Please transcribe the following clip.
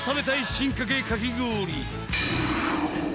進化形かき氷。